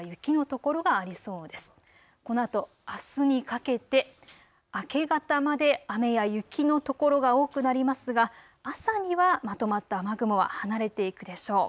このあとあすにかけて明け方まで雨や雪の所が多くなりますが朝にはまとまった雨雲は離れていくでしょう。